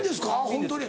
ホントに。